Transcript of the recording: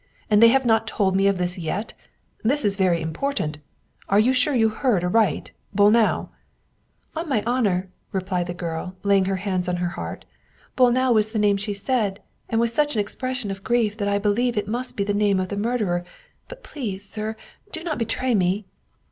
" And they have not told me of this yet ? This is very important. Are you sure you heard aright ? Bolnau ?"" On my honor !" replied the girl, laying her hands on her heart. " Bolnau was the name she said, and with such an expression of grief that I believe it must be the name of the murderer. But please, sir, do not betray me